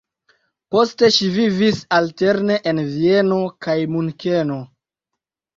Poste ŝi vivis alterne en Vieno kaj Munkeno.